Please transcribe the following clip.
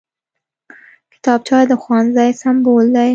کتابچه د ښوونځي سمبول دی